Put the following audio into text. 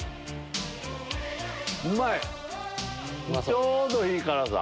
ちょうどいい辛さ。